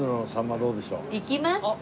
行きますか！